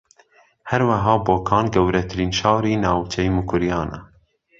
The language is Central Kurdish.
ھەروەھا بۆکان گەورەترین شاری ناوچەی موکریانە